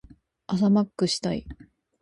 朝マックしたい。